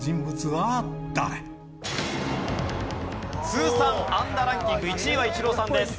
通算安打ランキング１位はイチローさんです。